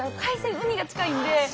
海が近いんで。